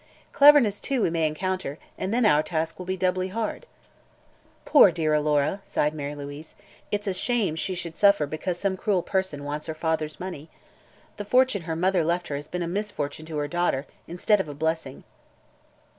Cleverness, too, we may encounter, and then our task will be doubly hard." "Poor, dear Alora!" sighed Mary Louise. "It's a shame she should suffer because some cruel person wants her father's money. The fortune her mother left her has been a _mis_fortune to her daughter, instead of a blessing."